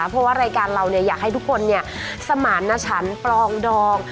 เพราะว่ารายการเราเนี่ยอยากให้ทุกคนเนี่ยสมาร์ทนะฉันปลองดอง